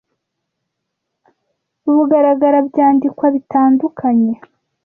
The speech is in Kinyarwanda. bugaragara byandikwa bitandukanye